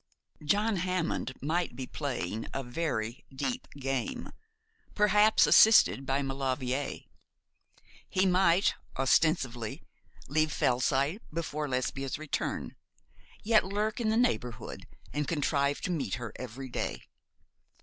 John Hammond might be playing a very deep game, perhaps assisted by Maulevrier. He might ostensibly leave Fellside before Lesbia's return, yet lurk in the neighbourhood, and contrive to meet her every day.